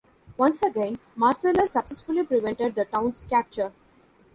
Once again, Marcellus successfully prevented the town's capture.